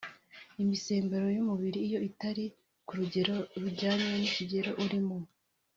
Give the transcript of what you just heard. Imisemburo y’umubiri iyo itari ku rugero rujyanye n’ikigero urimo